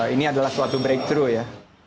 ini adalah suatu breakthrough ya